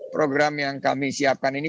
program yang kami siapkan ini